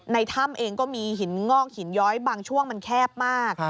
ในถ้ำเองก็มีหินงอกหินย้อยบางช่วงมันแคบมาก